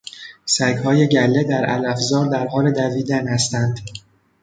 سگ های گله در علفزار در حال دویدن هستند.